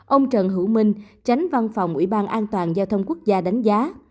ông trần hữu minh tránh văn phòng ủy ban an toàn giao thông quốc gia đánh giá